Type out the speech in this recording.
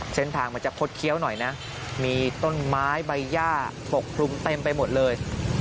เส้นทางมันจะคดเคี้ยวหน่อยนะมีต้นไม้ใบย่าปกคลุมเต็มไปหมดเลย